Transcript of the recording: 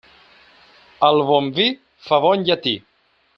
El bon vi fa bon llatí.